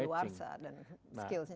ya sudah ada luar sa dan skills nya sudah